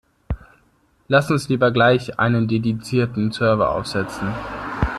Lass uns lieber gleich einen dedizierten Server aufsetzen.